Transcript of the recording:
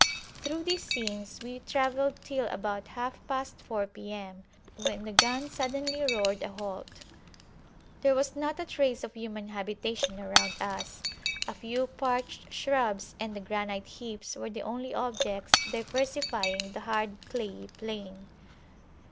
Through these scenes we travelled till about half past four P.M., when the guns suddenly roared a halt. There was not a trace of human habitation around us: a few parched shrubs and the granite heaps were the only objects diversifying the hard clayey plain.